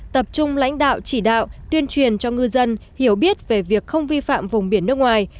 tập trung lãnh đạo chỉ đạo tuyên truyền cho ngư dân hiểu biết về việc không vi phạm vùng biển nước ngoài